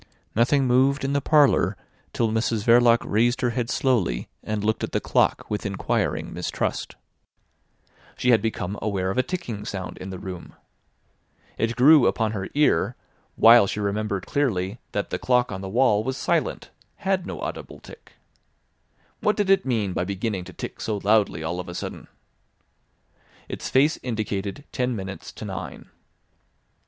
Nothing moved in the parlour till Mrs Verloc raised her head slowly and looked at the clock with inquiring mistrust. She had become aware of a ticking sound in the room. It grew upon her ear, while she remembered clearly that the clock on the wall was silent, had no audible tick. What did it mean by beginning to tick so loudly all of a sudden? Its face indicated ten minutes to nine.